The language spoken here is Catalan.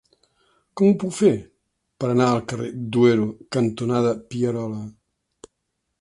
Com ho puc fer per anar al carrer Duero cantonada Pierola?